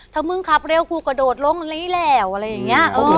ถ้ามึงขับเร็วกูกระโดดลงลีแล้วอะไรอย่างนี้